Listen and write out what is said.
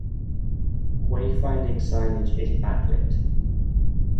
Wayfinding signage is backlit.